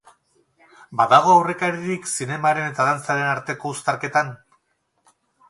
Badago aurrekaririk zinemaren eta dantzaren arteko uztarketan?